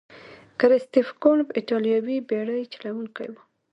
کرستف کولمب ایتالوي بیړۍ چلوونکی وو.